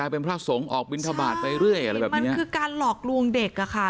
เป็นพระสงฆ์ออกวินทรบาลไปเรื่อยมันคือการหลอกลวงเด็กค่ะ